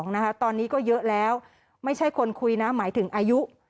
นะคะตอนนี้ก็เยอะแล้วไม่ใช่คนคุยนะหมายถึงอายุ